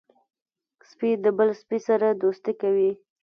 سپي د بل سپي سره دوستي کوي.